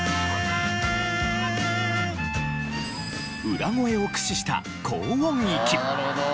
裏声を駆使した高音域。